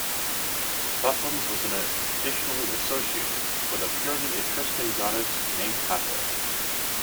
Fufluns was additionally associated with a purely Etruscan goddess named Catha.